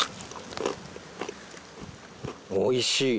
おいしい！